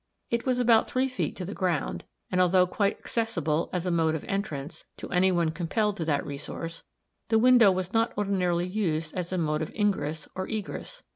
It was about three feet to the ground, and although quite accessible, as a mode of entrance, to any one compelled to that resource, the window was not ordinarily used as a mode of ingress or egress.